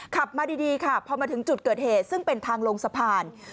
ขับมาดีค่ะพอมาถึงจุดเกิดเหตุซึ่งเป็นทางลงสะพาน